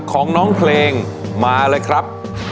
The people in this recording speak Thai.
ของน้องเพลงมาเลยครับ